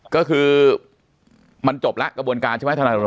ก็คือมันจบแล้วกระบวนการใช่ไหมทนายโร